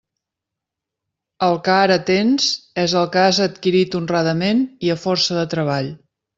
El que ara tens és el que has adquirit honradament i a força de treball.